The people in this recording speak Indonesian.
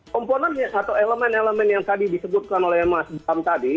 komponennya atau elemen elemen yang tadi disebutkan oleh mas bram tadi